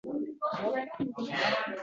Ko‘k piyoz va kunjut bilan bezang